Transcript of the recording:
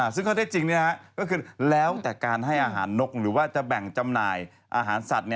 ซึ่งคือแล้วแต่การใช้นักหรือแบ่งจำหน่ายอาหารสัตว์